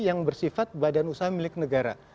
yang bersifat badan usaha milik negara